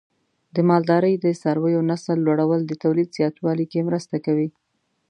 د مالدارۍ د څارویو نسل لوړول د تولید زیاتوالي کې مرسته کوي.